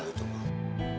tunggu tunggu tunggu